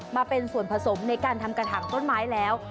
มาเป็นส่วนผสมในการทำกระถางต้นไม้แล้ว